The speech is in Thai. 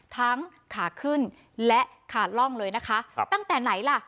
ทั้งขาขึ้นและขาล่องเลยนะคะตั้งแต่ไหนล่ะ